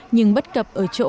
nhưng bất cập ở chỗ